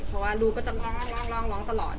เพราะว่าลูกก็จะร้องร้องตลอด